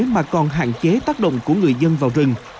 mà còn hạn chế tác động của người dân vào rừng